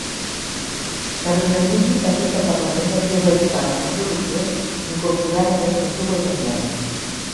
Karunanidhi va dir que el Parlament havia d'adoptar la resolució incorporant aquestes dues esmenes.